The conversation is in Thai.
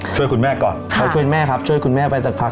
ช่วยคุณแม่ก่อนเขาช่วยแม่ครับช่วยคุณแม่ไปสักพัก